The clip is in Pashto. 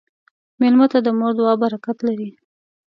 مېلمه ته د مور دعا برکت لري.